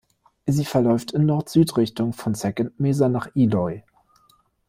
Sie verläuft in Nord-Süd-Richtung von Second Mesa nach Eloy.